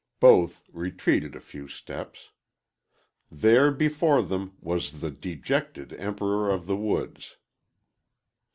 Both retreated a few steps. There, before them, was the dejected "Emperor of the Woods."